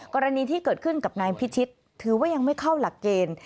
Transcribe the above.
กรณีที่เกิดขึ้นกับนายพิชิตถือว่ายังไม่เข้าหลักเกณฑ์